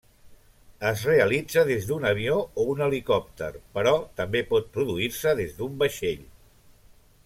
Es realitza des d’un avió o un helicòpter, però també pot produir-se des d’un vaixell.